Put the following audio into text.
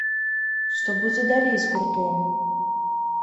Што будзе далей з гуртом?